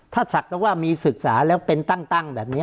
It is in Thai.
ถ้าศักดิ์ว่ามีศึกษาแล้วเป็นตั้งแบบนี้